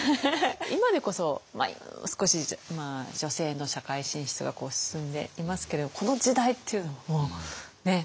今でこそ少し女性の社会進出が進んでいますけれどこの時代っていうのはもうものすごい。